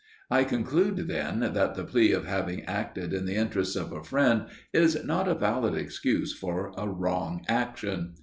I conclude, then, that the plea of having acted in the interests of a friend is not a valid excuse for a wrong action.